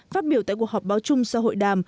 phát biểu tại cuộc họp báo chung sau hội đàm